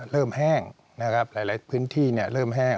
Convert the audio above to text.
เริ่มแห้งนะครับหลายพื้นที่เนี่ยเริ่มแห้ง